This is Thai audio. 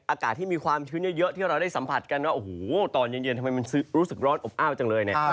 อากาศที่มีความชื้นเยอะที่เราได้สัมผัสกันว่าโอ้โหตอนเย็นทำไมมันรู้สึกร้อนอบอ้าวจังเลยนะครับ